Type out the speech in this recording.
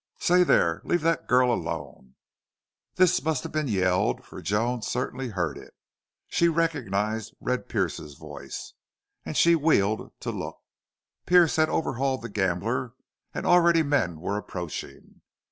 "Say, there! Leave thet girl alone!" This must have been yelled, for Joan certainly heard it. She recognized Red Pearce's voice. And she wheeled to look. Pearce had overhauled the gambler, and already men were approaching.